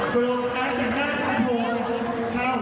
เป็นยังไงครับทุกคน